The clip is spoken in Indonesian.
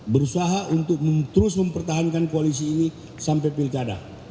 berusaha untuk terus mempertahankan koalisi ini sampai pilkada